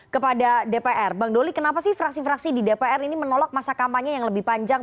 kepada dpr bang doli kenapa sih fraksi fraksi di dpr ini menolak masa kampanye yang lebih panjang